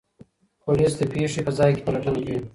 پولیس د پېښې په ځای کې پلټنه کوي.